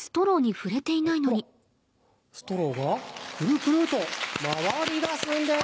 ほらストローがくるくると回りだすんです。